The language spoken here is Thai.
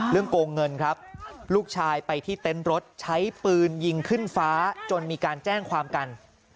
โกงเงินครับลูกชายไปที่เต็นต์รถใช้ปืนยิงขึ้นฟ้าจนมีการแจ้งความกัน